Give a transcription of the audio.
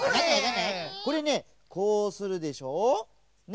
これねこうするでしょ。ね？